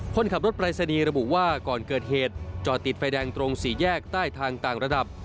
คนขับรถปรายศนีย์ระบุว่าก่อนเกิดเหตุจอดติดไฟแดงตรงสี่แยกใต้ทางต่างระดับ